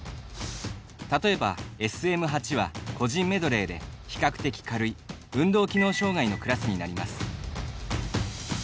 例えば、ＳＭ８は個人メドレーで比較的軽い運動機能障がいのクラスになります。